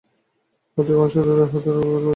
অতএব আমার শরীরও ইঁহাদের জন্য উৎসর্গ করি।